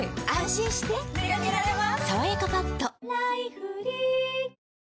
心してでかけられます